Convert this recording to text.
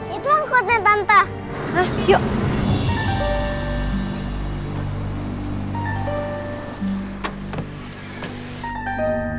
itu angkotnya tante